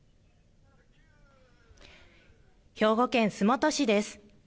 兵庫県洲本市です。